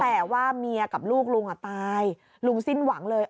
แต่ว่าเมียกับลูกลุงอ่ะตายลุงสิ้นหวังเลย